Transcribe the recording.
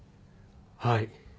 はい。